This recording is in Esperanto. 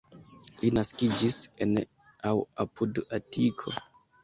Li naskiĝis en aŭ apud Atiko.